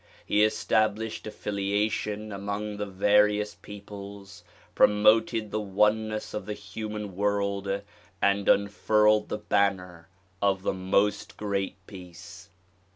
He established affiliation among the various peoples, promoted the oneness of the human world and unfurled the banner of the "Most Great Peace."